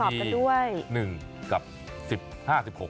โดยเฉพาะวันที่๑กับ๑๐๑๖